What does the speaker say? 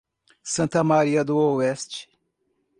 Santa Maria do Oeste